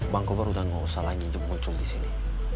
bang kobar udah gak usah lagi nyemuncul disini